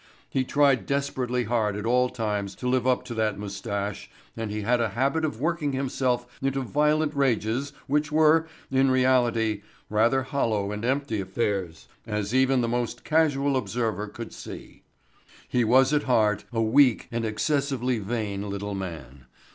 He tried desperately hard at all times to live up to that moustache and he had a habit of working himself into violent rages which were, in reality, rather hollow and empty affairs, as even the most casual observer could see. He was at heart, a weak and excessively vain little man.